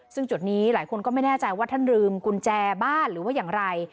ซึ่งจุดนี้หลายคนก็ไม่แน่ใจว่าท่านลืมกุญแจบ้านหรือว่าอย่างไร